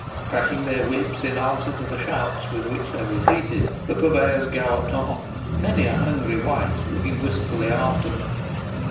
Cracking their whips in answer to the shouts with which they were greeted, the purveyors galloped on, many a hungry wight looking wistfully after them.